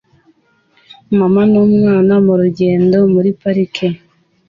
Mama n'umwana murugendo muri parike